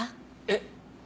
えっ？